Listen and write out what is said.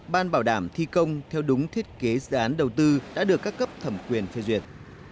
ban bảo đảm thi công theo đúng thiết kế dự án đầu tư đã được các cấp thẩm quyền phê duyệt